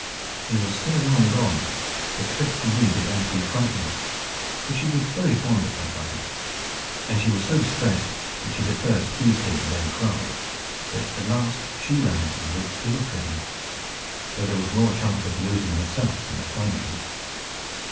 He was so long gone that Tricksey Wee began to be frightened, for she was very fond of her brother; and she was so distressed that she had first teased him and then cried, that at last she ran into the wood to look for him, though there was more chance of losing herself than of finding him.